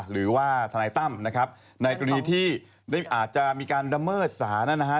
หรือว่าทนายตั้มนะครับในกรณีที่อาจจะมีการละเมิดสารนะฮะ